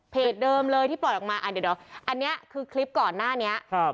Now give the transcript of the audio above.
เดิมเลยที่ปล่อยออกมาอ่าเดี๋ยวอันนี้คือคลิปก่อนหน้านี้ครับ